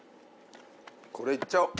これいっちゃおう。